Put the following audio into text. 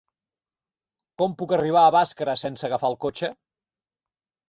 Com puc arribar a Bàscara sense agafar el cotxe?